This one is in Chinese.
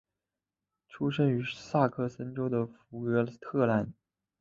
出生于萨克森州的福格特兰。